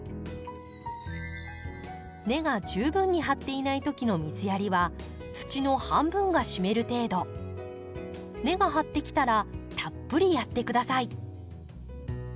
根が十分に張っていない時の水やりは根が張ってきたらたっぷりやって下さい。